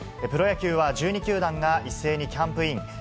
プロ野球は１２球団が一斉にキャンプイン。